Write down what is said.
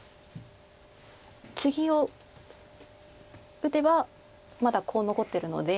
ツギを打てばまだコウ残ってるので。